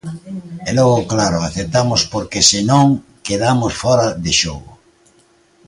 E logo, claro, aceptamos porque, se non, quedamos fóra de xogo.